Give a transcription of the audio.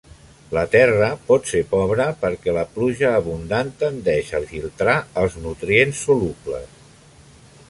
La terra pot ser pobra perquè la pluja abundant tendeix a filtrar els nutrients solubles.